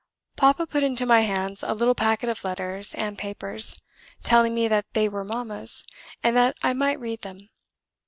Papa put into my hands a little packet of letters and papers, telling me that they were mamma's, and that I might read them.